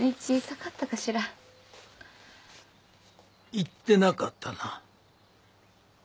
言ってなかったな。